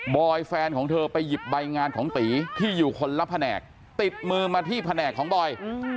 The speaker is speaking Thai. อยแฟนของเธอไปหยิบใบงานของตีที่อยู่คนละแผนกติดมือมาที่แผนกของบอย